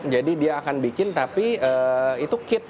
jadi dia akan bikin tapi itu kit